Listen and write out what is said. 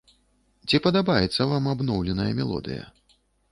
Ці падабаецца вам абноўленая мелодыя?